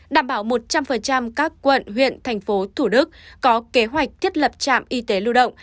đảm bảo một trăm linh các quận huyện thành phố thủ đức có kế hoạch thiết lập trạm y tế lưu động